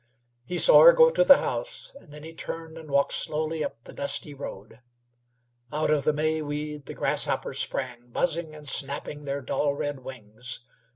He saw her go to the house, and then he turned and walked slowly up the dusty road. Out of the May weed the grasshoppers sprang, buzzing and snapping their dull red wings.